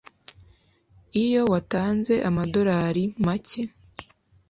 iyo watanze amadorari make